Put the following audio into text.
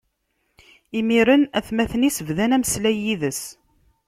Imiren atmaten-is bdan ameslay yid-s.